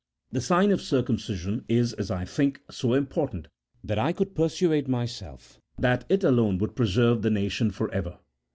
The sign of circumcision is, as I think, so important, that I could persuade myself that it alone would preserve the nation for ever.